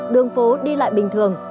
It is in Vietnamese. đường phố đi lại bình thường